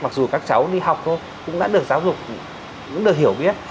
mặc dù các cháu đi học thôi cũng đã được giáo dục cũng được hiểu biết